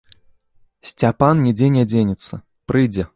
Сцяпан нідзе не дзенецца, прыйдзе.